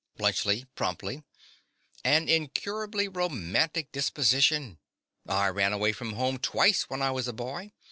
BLUNTSCHLI. (promptly). An incurably romantic disposition. I ran away from home twice when I was a boy.